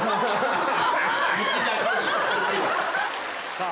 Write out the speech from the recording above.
さあ！